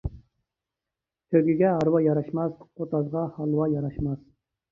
تۆگىگە ھارۋا ياراشماس، قوتازغا ھالۋا ياراشماس.